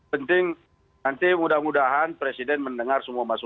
penting nanti mudah mudahan presiden mendengar semua masukan